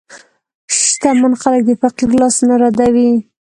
شتمن خلک د فقیر لاس نه ردوي.